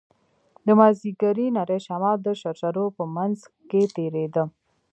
د مازديګر نرى شمال د شرشرو په منځ کښې تېرېده.